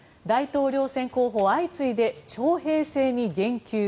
大統領選候補相次いで調整に言及。